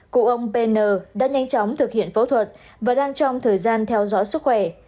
cụ ông pn đã nhanh chóng thực hiện phẫu thuật và đang trong thời gian theo dõi sức khỏe